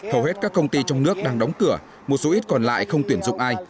hầu hết các công ty trong nước đang đóng cửa một số ít còn lại không tuyển dụng ai